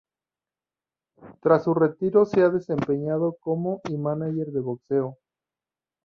Tras su retiro se ha desempeñado como y mánager de boxeo.